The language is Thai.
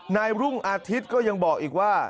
นายรุ่งอาทิตย์ก็ยังบอกอีกว่า